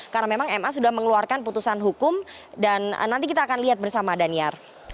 karena memang ma sudah mengeluarkan putusan hukum dan nanti kita akan lihat bersama danyar